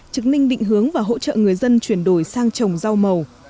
trực ninh định hướng và hỗ trợ người dân chuyển đổi sang trồng rau màu